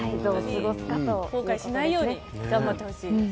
後悔しないように頑張ってほしい。